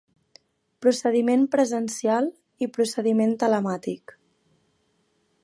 Procediment presencial i procediment telemàtic.